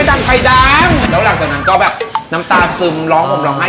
ตัวผมหนักเยอะไหมครับหนัำเท่าไรหนูก็ไหว